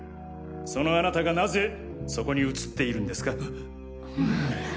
そのあなたがなぜそこに映っているんですか？